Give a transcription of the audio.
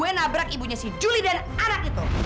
waktu gue nabrak ibunya si juli dan anak itu